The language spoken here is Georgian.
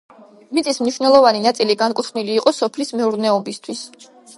მიწის მნიშვნელოვანი ნაწილი განკუთვნილი იყო სოფლის მეურნეობისათვის.